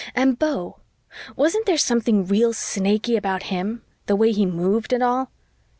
And Beau wasn't there something real Snaky about him, the way he moved and all?